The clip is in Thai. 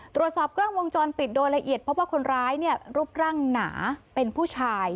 ตรวจสอบกล้องวงจรปิดโดยละเอียดพบว่าคนร้ายเนี่ยรูปร่างหนาเป็นผู้ชาย